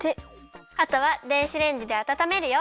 あとは電子レンジであたためるよ。